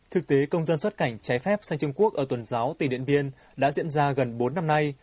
thực tế công dân xuất cảnh trái phép sang trung quốc ở tuần giáo tỉnh điện biên đã diễn ra gần bốn năm nay